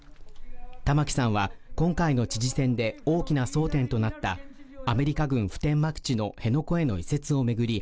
玉城さんは今回の知事選で大きな争点となったアメリカ軍普天間基地の辺野古への移設を巡り